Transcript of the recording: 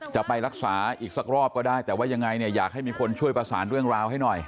จะไปรักษาอีกสักรอบก็ได้แต่ว่ายังไงเนี่ยอยากให้มีคนช่วยประสานเรื่องราวให้หน่อย